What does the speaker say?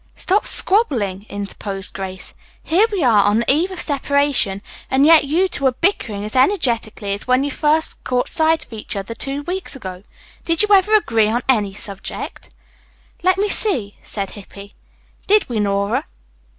"Stop squabbling," interposed Grace. "Here we are on the eve of separation and yet you two are bickering as energetically as when you first caught sight of each other two weeks ago. Did you ever agree on any subject?" "Let me see," said Hippy. "Did we, Nora?"